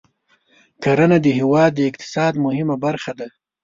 کرنه د هېواد د اقتصاد مهمه برخه ده.